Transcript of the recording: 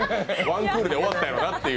ワンクールで終わったんやろうなと。